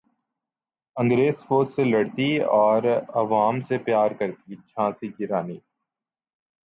انگریز فوج سے لڑتی اور عوام سے پیار کرتی جھانسی کی رانی